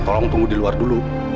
tolong tunggu di luar dulu